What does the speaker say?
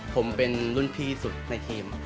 ผมเป็นรุ่นพี่สุดในทีม